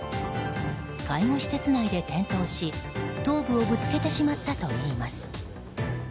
介護施設内で転倒し、頭部をぶつけてしまったといいます。